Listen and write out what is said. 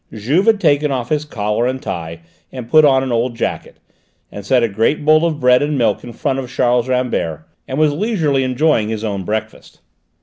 Juve had taken off his collar and tie and put on an old jacket, had set a great bowl of bread and milk in front of Charles Rambert, and was leisurely enjoying his own breakfast.